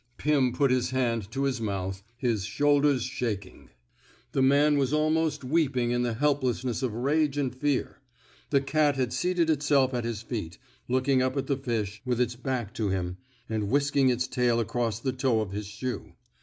Pim put his hand to his mouth, his shoul ders shaking. The man was almost weeping in the help lessness of rage and fear. The cat had seated itself at his feet, looking up at the fish, with its back to him, and whisking its tail across the toe of his shoe.